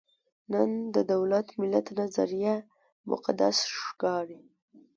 نن د دولت–ملت نظریه مقدس ښکاري.